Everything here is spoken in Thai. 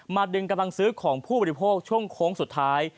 ดึงกำลังซื้อของผู้บริโภคช่วงโค้งสุดท้าย